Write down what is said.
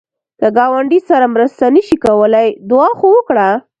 که ګاونډي سره مرسته نشې کولای، دعا خو وکړه